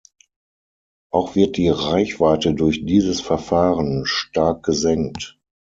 Auch wird die Reichweite durch dieses Verfahren stark gesenkt.